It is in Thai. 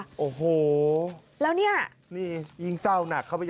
พ่อออกมามอบตัวเถอะลูกน่ะร้องห่มร้องไห้คุณผู้ชม